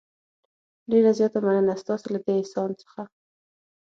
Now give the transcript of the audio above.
ډېره زیاته مننه ستاسې له دې احسان څخه.